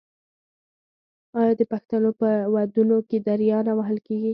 آیا د پښتنو په ودونو کې دریا نه وهل کیږي؟